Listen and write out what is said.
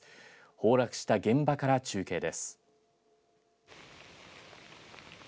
崩落した現場から中継です。